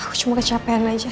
aku cuma kecapean aja